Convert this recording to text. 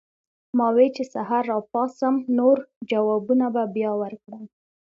ما وې چې سحر راپاسم نور جوابونه به بیا ورکړم